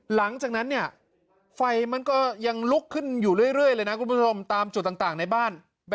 หลังจากนั้น